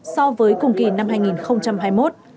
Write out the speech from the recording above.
so với cùng kỳ năm hai nghìn hai mươi một